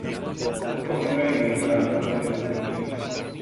Es posible ingresar desde el widget.